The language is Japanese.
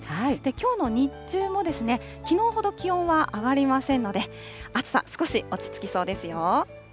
きょうの日中も、きのうほど気温は上がりませんので、暑さ、少し落ち着きそうですよ。